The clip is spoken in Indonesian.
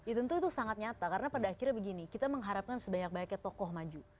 ya tentu itu sangat nyata karena pada akhirnya begini kita mengharapkan sebanyak banyaknya tokoh maju